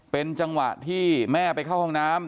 เป็นจังหวะที่แม่ไปเข้าห้องน้ำ